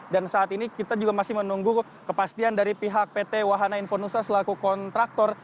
dan saat ini kita juga masih menunggu kepastian dari pihak pt wahana infonusa selaku kontraktor